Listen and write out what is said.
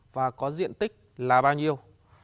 và có diện tích là bao nhiêu